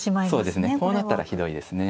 こうなったらひどいですね。